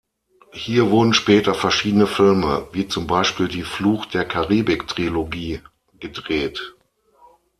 Hier wurden später verschiedene Filme, wie zum Beispiel die Fluch der Karibik Trilogie gedreht.